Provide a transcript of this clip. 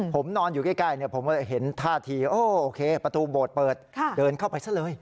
ผมนอนอยู่ใกล้ผมก็เห็นท่าทีโอเคประตูโบสถ์เปิดเดินเข้าไปซะเลย